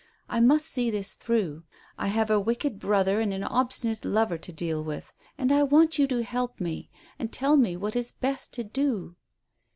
I must see this through. I have a wicked brother and an obstinate lover to deal with, and I want you to help me, and tell me what is best to do."